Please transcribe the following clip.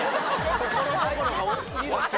ところどころが多すぎるって。